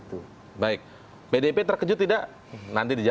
karena ini sudah menjadi satu kebutuhan yang dikaburkan tahun ini